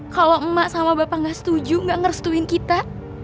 kalau emak sama bapak gak setuju gak ngerestuin kita